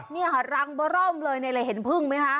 เนี่ยค่ะรังประร่อมเลยนายเห็นพึ่งมั้ยคะ